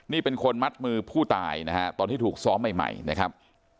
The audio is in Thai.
นี่เป็นคนมัดมือผู้ตายนะฮะตอนที่ถูกซ้อมใหม่นะครับ